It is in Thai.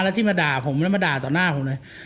แล้วที่มาด่าผมแล้วมาด่าต่อหน้าผมเลย